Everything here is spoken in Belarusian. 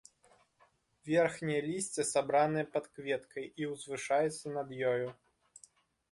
Верхняе лісце сабранае пад кветкай і ўзвышаецца над ёю.